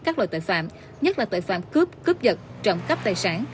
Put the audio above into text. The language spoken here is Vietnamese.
các loại tội phạm nhất là tội phạm cướp cướp giật trộm cắp tài sản